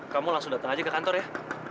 kamu langsung datang aja ke kantor ya